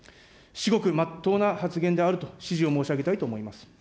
至極まっとうな発言であると、支持を申し上げたいと思います。